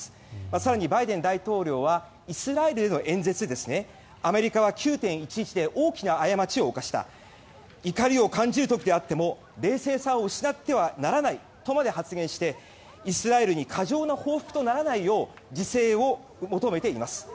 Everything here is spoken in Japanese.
更にバイデン大統領はイスラエルへの演説でアメリカは９・１１で大きな過ちを犯した怒りを感じる時であっても冷静さを失ってはならないとまで発言してイスラエルに過剰な報復とならないよう自制を求めています。